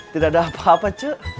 tidak ada apa apa cuk